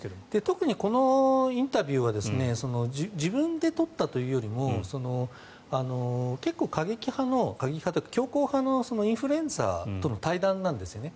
特にこのインタビューは自分で撮ったというよりも結構、過激派というか強硬派のインフルエンサーとの対談なんですよね。